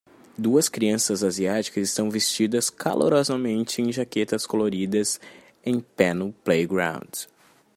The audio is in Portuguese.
Duas crianças asiáticas estão vestidas calorosamente em jaquetas coloridas em pé no playground